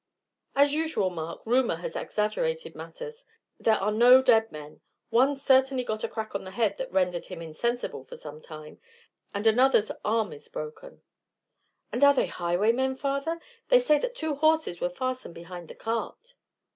"As usual, Mark, rumor has exaggerated matters. There are no dead men; one certainly got a crack on the head that rendered him insensible for some time, and another's arm is broken." "And are they highwaymen, father? They say that two horses were fastened behind the cart."